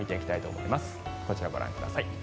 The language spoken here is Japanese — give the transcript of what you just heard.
こちらをご覧ください。